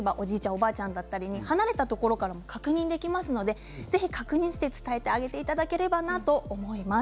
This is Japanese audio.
おばあちゃんだったり離れたところからも確認できますので確認して伝えていただければなと思います。